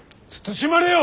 慎まれよ！